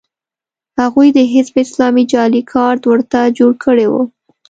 هغوی د حزب اسلامي جعلي کارت ورته جوړ کړی و